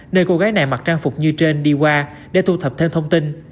nơi cô gái này mặc trang phục như trên đi qua để thu thập thêm thông tin